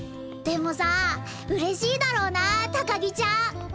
でもさうれしいだろうなぁ高木ちゃん。